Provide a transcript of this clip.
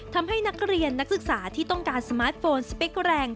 ทำให้นักเรียนนักศึกษาที่ต้องการสมาร์ทโฟนสเปคแรง